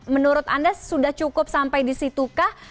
menurut anda sudah cukup sampai disitukah